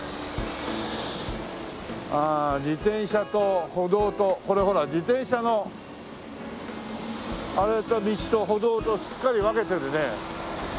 ああ自転車と歩道とこれほら自転車の道と歩道とすっかり分けてるね。